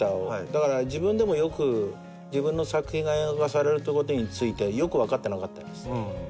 だから自分でもよく自分の作品が映画化されるってことについてよく分かってなかったんです。